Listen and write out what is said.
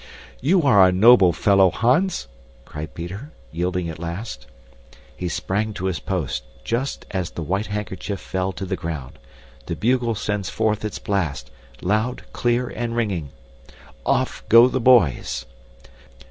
"You are a noble fellow, Hans!" cried Peter, yielding at last. He sprang to his post just as the white handkerchief fell to the ground. The bugle sends forth its blast loud, clear, and ringing. Off go the boys!